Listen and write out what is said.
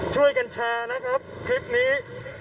ช่วยกันแชร์นะครับคลิปนี้